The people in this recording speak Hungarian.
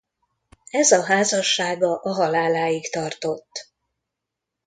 Ez a házassága a haláláig tartott.